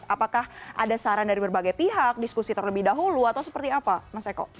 apakah ada saran dari berbagai pihak diskusi terlebih dahulu atau seperti apa mas eko